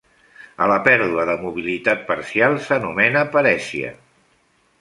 A la pèrdua de mobilitat parcial s'anomena parèsia.